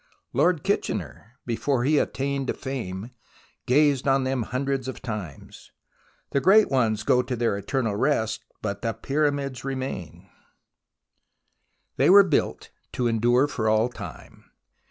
Lord Kitchener, before he attained to fame, gazed on them hundreds of ifc» 58 THE ROMANCE OF EXCAVATION times. The great ones go to their eternal rest, but the Pyramids remain. They were built to endure for all time.